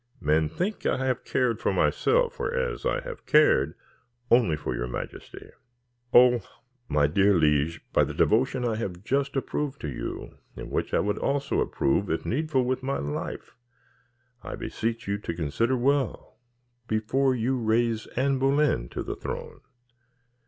Men think I have cared for myself, whereas I have cared only for your majesty. Oh! my dear liege, by the devotion I have just approved to you, and which I would also approve, if needful, with my life, I beseech you to consider well before you raise Anne Boleyn to the throne.